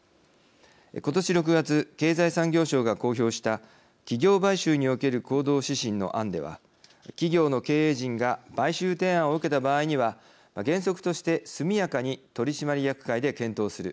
今年６月、経済産業省が公表した企業買収における行動指針の案では企業の経営陣が買収提案を受けた場合には原則として速やかに取締役会で検討する。